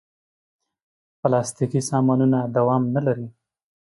پلاستيکي سامانونه دوام نه لري.